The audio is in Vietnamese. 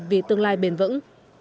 vì tương lai bền vững